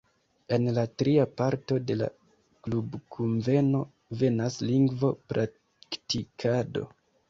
En la tria parto de la klubkunveno venas lingvo-praktikado.